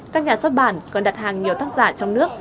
các nhà xuất bản còn đặt hàng nhiều tác giả trong nước